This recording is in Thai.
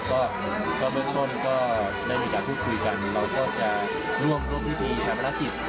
ก็ก็เบื้องต้นก็ได้มีการคุยคุยกันเราก็จะร่วมรวมพิธีชาปนาศิษย์